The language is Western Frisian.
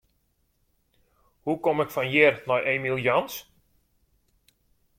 Hoe kom ik fan hjir nei Emiel Jans?